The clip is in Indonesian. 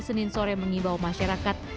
senin sore mengimbau masyarakat